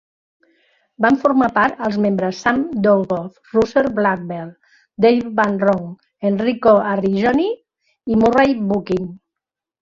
Van formar part els membres Sam Dolgoff, Russell Blackwell, Dave Van Ronk, Enrico Arrigoni i Murray Bookchin.